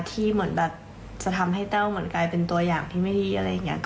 เหมือนแบบจะทำให้แต้วเหมือนกลายเป็นตัวอย่างที่ไม่ดีอะไรอย่างนี้